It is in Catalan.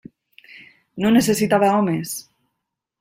No necessitava homes.